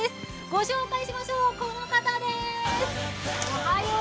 ご紹介しましょう、この方です。